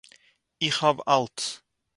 איך האָב אַלץ.